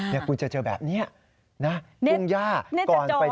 แล้วคุณจะเจอแบบนี้นะครับ